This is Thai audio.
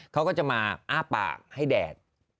เขาก็จะมาอ้าปากให้แดด